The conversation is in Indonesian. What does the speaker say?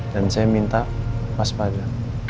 dan saya minta pas paja